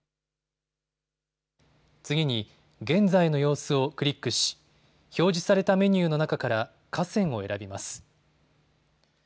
次に、現在のようすをクリックし表示されたメニューの中から河川を選びます。